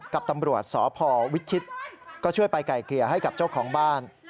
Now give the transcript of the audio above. กับตำรวจสพวิชิตก็ช่วยไปไกลเกลี่ยให้กับเจ้าของบ้าน